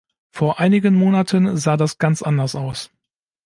Vor einigen Monaten sah das ganz anders aus.